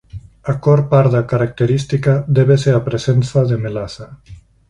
A cor parda característica débese á presenza de melaza.